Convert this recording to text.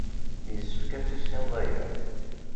Yessefk ad tissineḍ aya.